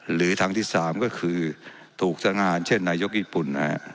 หรือทางที่๓ก็ถูกสงานเช่นนายกญิตภูมิ